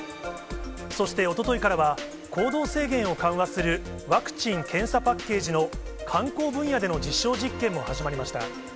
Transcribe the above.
そしておとといからは、行動制限を緩和する、ワクチン・検査パッケージの観光分野での実証実験も始まりました。